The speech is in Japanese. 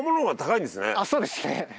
そうですね。